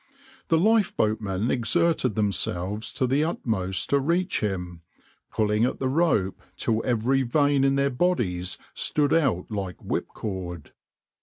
The lifeboatmen exerted themselves to the utmost to reach him, pulling at the rope till every vein in their bodies stood out like whipcord.